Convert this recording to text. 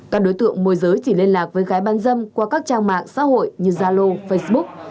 các đối tượng môi giới chỉ liên lạc với gái bán dâm qua các trang mạng xã hội như zalo facebook